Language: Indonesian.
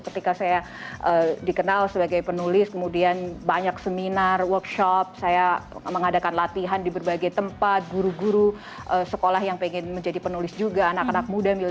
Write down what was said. ketika saya dikenal sebagai penulis kemudian banyak seminar workshop saya mengadakan latihan di berbagai tempat guru guru sekolah yang pengen menjadi penulis juga anak anak muda